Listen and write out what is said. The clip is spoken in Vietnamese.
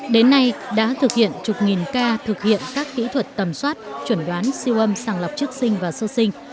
đến nay đã thực hiện chục nghìn ca thực hiện các kỹ thuật tầm soát chuẩn đoán siêu âm sàng lọc chức sinh và sơ sinh